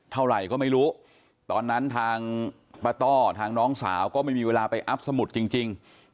เท่าไหร่ก็ไม่รู้ตอนนั้นทางป้าต้อทางน้องสาวก็ไม่มีเวลาไปอัพสมุดจริง